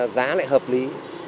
giá lại hợp lý